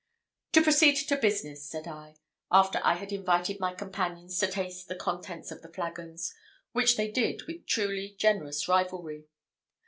"To proceed to business," said I, after I had invited my companions to taste the contents of the flagons, which they did with truly generous rivalry.